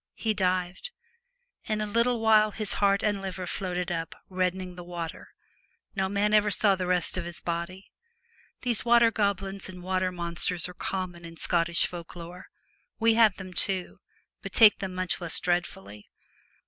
He dived. In a little while his heart and liver floated up, reddening the water. No man ever saw the rest of his body. These water goblins and water monsters are common in Scottish folk lore. We have them too, but take them much less dreadfully.